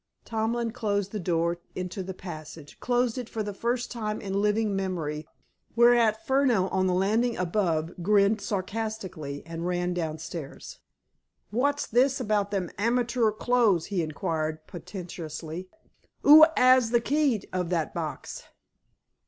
Tomlin closed the door into the passage, closed it for the first time in living memory, whereat Furneaux, on the landing above, grinned sardonically, and ran downstairs. "Wot's this about them amatoor clo'es?" he inquired portentously. "Oo 'as the key of that box?"